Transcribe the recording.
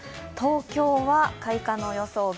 東京は開花の予想